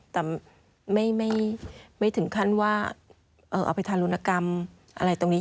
แต่ไม่ถึงขั้นว่าเอาไปทารุณกรรมอะไรตรงนี้